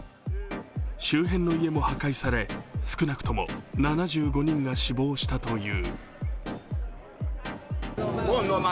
周辺の家も破壊され少なくとも７５人が死亡したという。